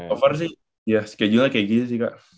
over sih ya schedule nya kayak gitu sih kak